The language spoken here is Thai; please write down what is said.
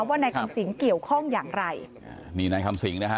ว่านายคำสิงเกี่ยวข้องอย่างไรนี่นายคำสิงนะฮะ